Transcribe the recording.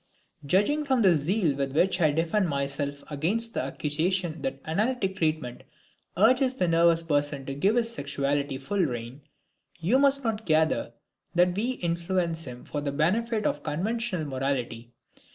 Judging from the zeal with which I defend myself against the accusation that analytic treatment urges the nervous person to give his sexuality full reign, you must not gather that we influence him for the benefit of conventional morality.